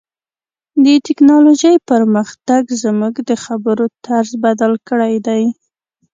د ټکنالوژۍ پرمختګ زموږ د خبرو طرز بدل کړی دی.